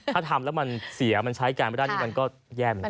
ถ้าทำแล้วมันเสียมันใช้การไม่ได้นี่มันก็แย่เหมือนกัน